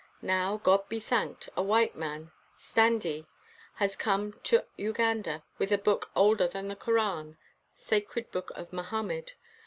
Now, God be thanked, a white man, Standee, has come to Uganda with a book older than the Koran [sacred book] of Mohammed.